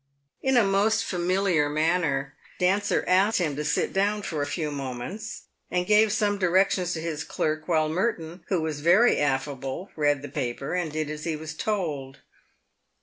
In a most familiar manner, Dancer asked him to sit down for a few moments, and gave some directions to his clerk, while Merton, who was very affable, read the paper, and did as he was told.